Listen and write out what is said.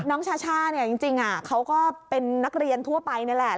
ชาช่าเนี่ยจริงเขาก็เป็นนักเรียนทั่วไปนี่แหละ